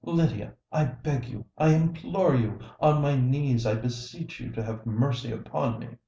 "Lydia—I beg you—I implore you—on my knees I beseech you to have mercy upon me!"